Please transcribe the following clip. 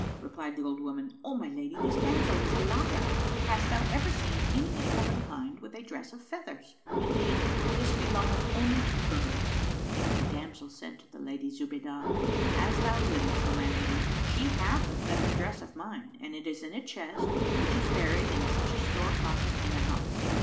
Replied the old woman, "O my lady, this damsel is a liar. Hast thou ever seen any of womankind with a dress of feathers? Indeed, this belongeth only to birds." But the damsel said to the Lady Zubaydah, "As thou livest, O my lady, she hath a feather dress of mine and it is in a chest, which is buried in such a store closet in the house."